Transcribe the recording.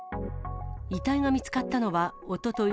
遺体が見つかったのは、おととい